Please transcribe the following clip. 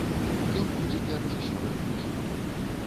Ён будзе для рэжысёра другім.